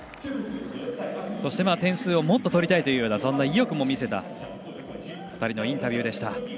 そして、点数をもっと取りたいとそんな意欲も見せた２人のインタビューでした。